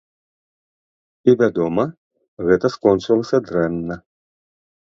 І, вядома, гэта скончылася дрэнна.